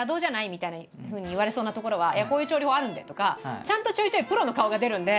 みたいなふうに言われそうなところは「いやこういう調理法あるんで」とかちゃんとちょいちょいプロの顔が出るんで。